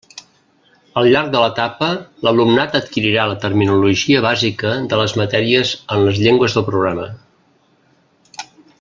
Al llarg de l'etapa l'alumnat adquirirà la terminologia bàsica de les matèries en les llengües del programa.